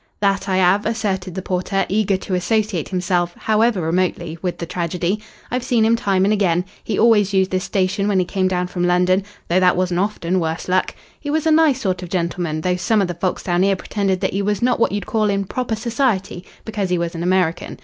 "That I 'ave," asserted the porter, eager to associate himself, however remotely, with the tragedy. "I've seen him time and again. He always used this station when he came down from London though that wasn't often, worse luck. He was a nice sort of gentleman, though some of the folks down here pretended that 'e was not what you'd call in proper society, because he was an American.